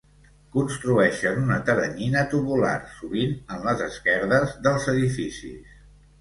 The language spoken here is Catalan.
Construeixen una teranyina tubular, sovint en les esquerdes dels edificis.